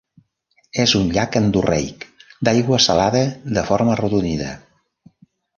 És un llac endorreic d'aigua salada de forma arrodonida.